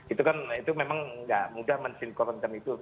itu kan memang gak mudah mensinkronkan itu